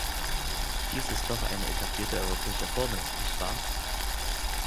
Dies ist doch eine etablierte europäische Formel, nicht wahr?